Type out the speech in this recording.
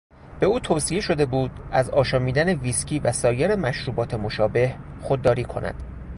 به او توصیه شده بود از آشامیدن ویسکی و سایر مشروبات مشابه خودداری کند.